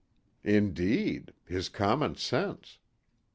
Indeed! His common sense!